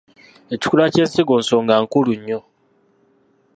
Ekikula ky’ensigo nsonga nkulu nnyo.